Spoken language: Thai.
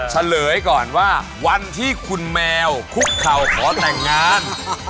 เฉลยก่อนว่าวันที่คุณแมวคุกเข่าขอแต่งงาน